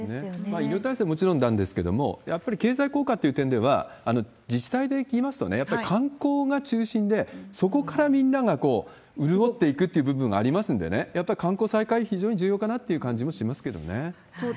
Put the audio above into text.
医療体制もちろんなんですけれども、やっぱり経済効果っていう点では、自治体でいいますと、やっぱり観光が中心で、そこからみんなが潤っていくという部分がありますんでね、やっぱり観光再開、非常に重要かなっていう感じもしますけどね。